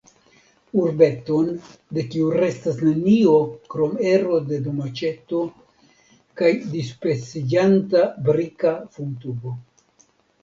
Urbeton de kiu restas nenio krom ero de domaĉeto kaj dispeciĝanta brika fumtubo!